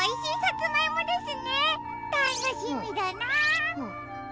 たっのしみだな。